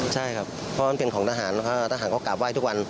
ใช่เพราะว่ามันเป็นของทหารทหารเกลับไหว่ทุกวัน